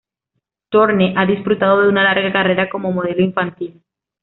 Thorne ha disfrutado de una larga carrera como modelo infantil.